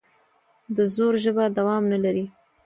د زور ژبه دوام نه لري